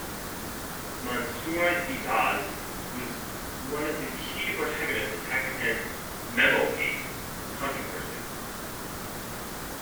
Mansoor Ijaz was one of the key protagonists in Pakistan's "Memogate" controversy.